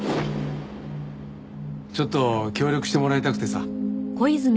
ちょっと協力してもらいたくてさ。